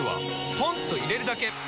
ポンと入れるだけ！